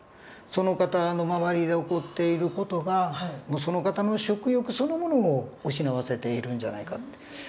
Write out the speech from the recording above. その方の周りで起こっている事がその方の食欲そのものを失わせているんじゃないかって。